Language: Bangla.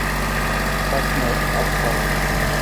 শ্বাস নাও, আর ছাড়ো!